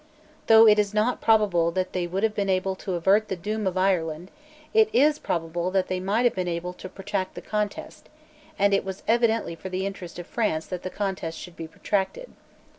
Though it is not probable that they would have been able to avert the doom of Ireland, it is probable that they might have been able to protract the contest; and it was evidently for the interest of France that the contest should be protracted.